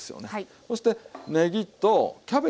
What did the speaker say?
そしてねぎとキャベツですよ。